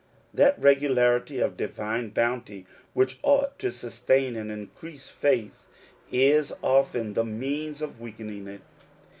That regularity of divine bounty which ought to sustain and increase faith is often the means of weakening it.